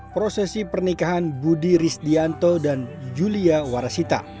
prosesi pernikahan budi risdianto dan julia warasita